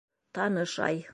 Таныш ай.